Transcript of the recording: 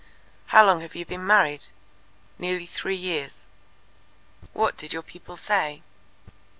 "How long have you been married?" "Nearly three years." "What did your people say?"